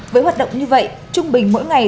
với hoạt động như vậy trung bình mỗi ngày